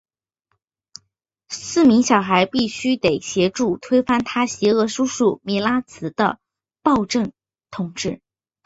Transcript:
四名小孩必须得协助推翻他邪恶叔叔米拉兹的暴政统治。